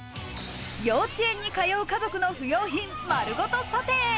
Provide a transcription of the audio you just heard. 幼稚園に通う家族の不用品まるごと査定。